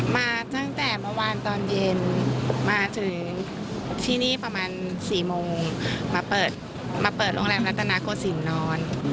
มาถึงตั้งแต่เมื่อวานตอนเย็นมาถึงที่นี่ประมาณ๔โมงมาเปิดโรงแรมรัฐนาโคสินนร